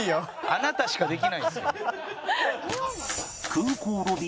あなたしかできないですよ。